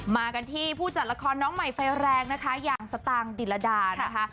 มากันที่ผู้จัดละครน้องใหม่ไฟแรงนะคะอย่างสตางค์ดิลดานะคะ